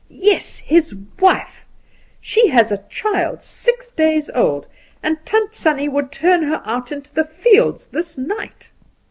"Yes; his wife. She has a child six days old, and Tant Sannie would turn her out into the fields this night.